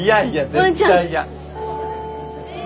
絶対嫌！